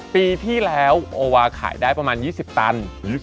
ปีที่แล้วโอวาขายได้ประมาณ๒๐ตัน